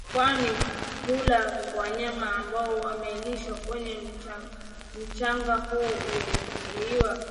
kwani hula wanyama ambao wamelisha kwenye mchanga huu uliochafuliwa